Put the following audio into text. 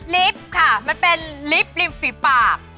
ลิปค่ะมันเป็นลิปริมฝีปาก